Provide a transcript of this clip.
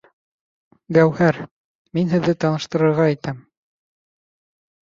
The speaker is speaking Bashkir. Гәүһәр, мин һеҙҙе таныштырырға итәм